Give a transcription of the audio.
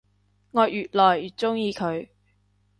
我愈來愈鍾意佢